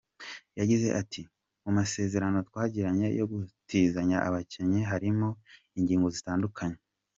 Yagize ati “Mu masezerano twagiranye yo gutiza abakinnyi harimo ingingo zitandukanye.